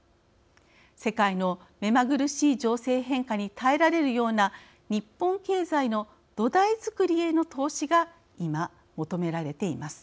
世界の目まぐるしい情勢変化に耐えられるような日本経済の土台づくりへの投資が今、求められています。